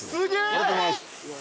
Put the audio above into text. ありがとうございます。